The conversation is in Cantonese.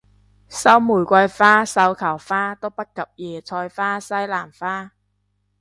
收玫瑰花繡球花都不及椰菜花西蘭花